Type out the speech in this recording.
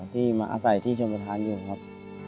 ที่มาอาศัยที่ชมประธานอยู่ครับ